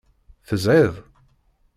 Tezhiḍ?